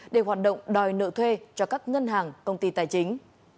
để hoạt động đòi nợ thuê cho các ngân hàng công ty tài chính